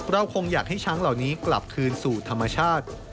คงอยากให้ช้างเหล่านี้กลับคืนสู่ธรรมชาติ